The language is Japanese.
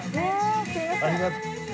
ありがとう。